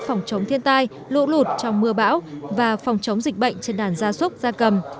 phòng chống thiên tai lụt lụt trong mưa bão và phòng chống dịch bệnh trên đàn gia súc gia cầm